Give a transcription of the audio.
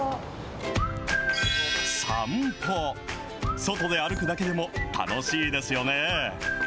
外で歩くだけでも楽しいですよね。